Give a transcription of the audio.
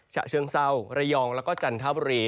ฉะเชิงเศร้าระยองแล้วก็จันทบุรี